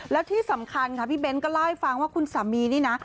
แล้วที่สำคัญค่ะพี่เบ้นก็เล่าให้ฟังว่าคุณสามีนี่นะ